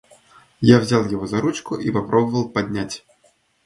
Я взял его за ручку и попробовал поднять.